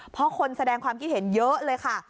เพราะคนแสดงความคิดเห็นเยอะเลยค่ะ